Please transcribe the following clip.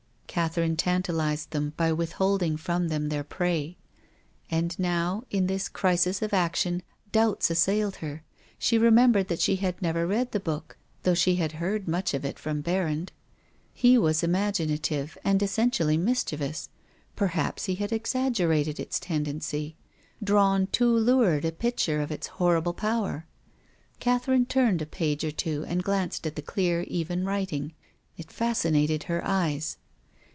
Catherine tantalized them by withholding from them their prey. For now, in this crisis of action, doubts assailed her. She remembered that she had never read the book, though she had heard much of it from Bcrrand. He was imaginative and es sentially mischievous. Perhaps he had exagger ated its tendency, drawn too lurid a picture of its horrible power. Catherine turned a page or two and glanced at the clear, even writing. It fascinated her eyes.